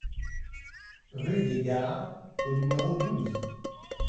Rue des Gards au numéro douze